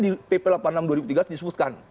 di pp delapan puluh enam dua ribu tiga disebutkan